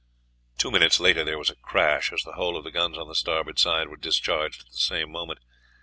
Two minutes later there was a crash as the whole of the guns on the starboard side were discharged at the same moment.